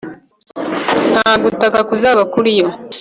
Nta gutaka kuzaba kuriyo